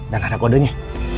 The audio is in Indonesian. dan ada kodonya